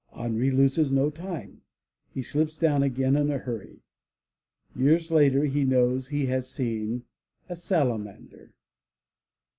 Henri loses no time. He slips down again in a hurry. Years later he knows he had seen a salamander.